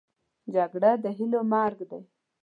جګړه د هیلو مرګ دی